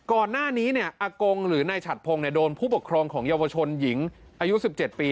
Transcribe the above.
ก่อนหน้านี้อากงหรือนายฉัดพงศ์โดนผู้ปกครองของเยาวชนหญิงอายุ๑๗ปี